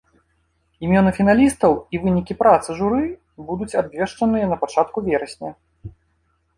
Імёны фіналістаў і вынікі працы журы будуць абвешчаныя на пачатку верасня.